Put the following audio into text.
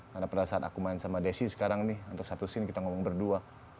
karena pada saat aku main sama desy sekarang nih untuk satu scene kita ngomong berdua